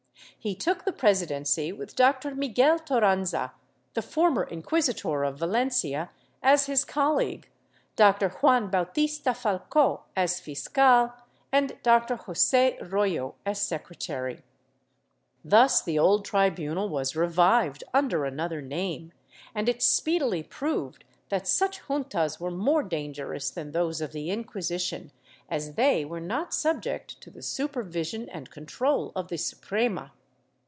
He took the presidency with Dr. Miguel Toranza, the former inquisitor of Valencia as his colleague. Dr. Juan Bautista Falco as fiscal and Dr. Jose Royo as secretary.^ ' Archive hist, nacional, Leg. 6462. ' Koska Vayo, III, 207. Chap. I] JUNTAS DE FE 461 Thus the old tribunal was revived under another name, and it speedily proved that such juntas were more dangerous than those of the Inquisition, as they were not subject to the supervision and control of the Suprema.